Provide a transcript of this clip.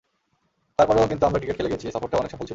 তার পরও কিন্তু আমরা ক্রিকেট খেলে গেছি, সফরটাও অনেক সফল ছিল।